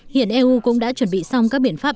hiện eu cũng đã chuẩn bị xong các biện pháp